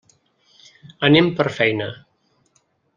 Anem per feina.